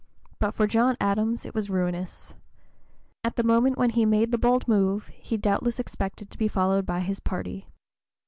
But for John Adams it was ruinous. At the moment when he made the bold move, he doubtless expected to be followed by his party.